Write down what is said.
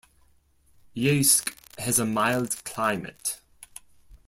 Yeysk has a mild climate.